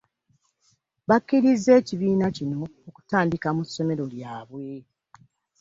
Bakkiriza ekibiina kino okutandikibwa mu ssomero lyabwe